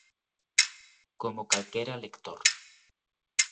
Como calquera lector.